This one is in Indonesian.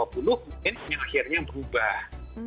mungkin yang akhirnya berubah